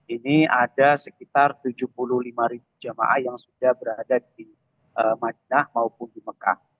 ini ada sekitar tujuh puluh lima ribu jamaah yang sudah berada di madinah maupun di mekah